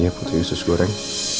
makasih ya putri yesus goreng